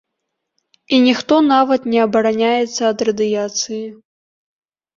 І ніхто нават не абараняецца ад радыяцыі.